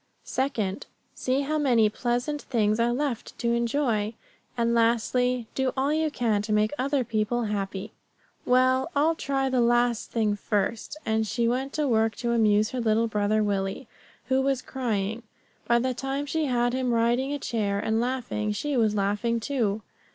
Second, see how many pleasant things there are left to enjoy; and, lastly, do all you can to make other people happy." "Well, I'll try the last thing first; and she went to work to amuse her little brother Willie, who was crying. By the time she had him riding a chair and laughing, she was laughing too.